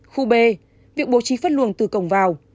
khu b việc bố trí phân luồng từ cổng vào